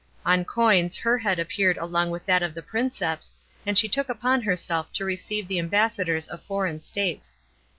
On coins her head appeared along with that of the P inceps, and she took upon herself to receive the ambassadors of foreign states.